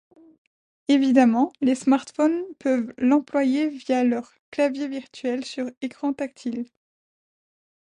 Évidemment, les smartphones peuvent l'employer via leur clavier virtuel sur écran tactile.